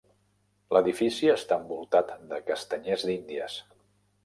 L'edifici està envoltat de castanyers d'Índies.